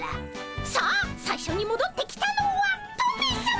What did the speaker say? さあ最初にもどってきたのはトメさま！